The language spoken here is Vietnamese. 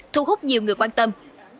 thu hút nhiều người quan tâm